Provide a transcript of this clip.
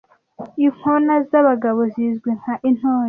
Inkona z'abagabo zizwi nka intore